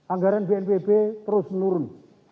anggaran bnpb terus menurun